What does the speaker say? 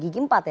gigi empat ya